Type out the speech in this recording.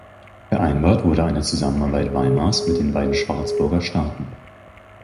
Vereinbart wurde eine Zusammenarbeit Weimars mit den beiden Schwarzburger Staaten.